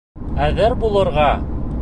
— Әҙер булырға!